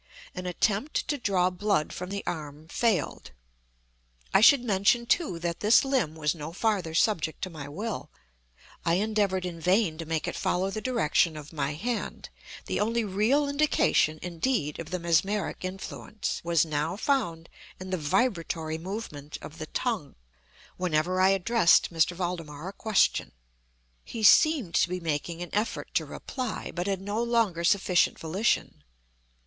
An attempt to draw blood from the arm failed. I should mention, too, that this limb was no farther subject to my will. I endeavored in vain to make it follow the direction of my hand. The only real indication, indeed, of the mesmeric influence, was now found in the vibratory movement of the tongue, whenever I addressed M. Valdemar a question. He seemed to be making an effort to reply, but had no longer sufficient volition.